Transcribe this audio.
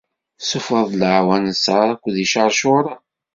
Tessufɣeḍ-d leɛwanser akked icercuren.